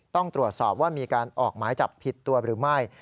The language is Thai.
ต้องตรวจสอบว่ามีการออกหมายจับผิดตัวหรือไม่